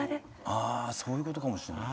ああそういう事かもしれない。